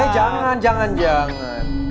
eh jangan jangan jangan